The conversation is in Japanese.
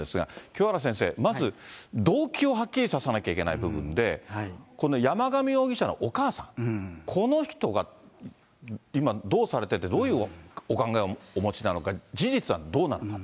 清原先生、まず動機をはっきりさせないといけない部分で、この人が今、どうされてて、どういうお考えをお持ちなのか、事実はどうなのか。